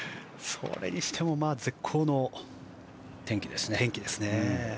それにしても絶好の天気ですね。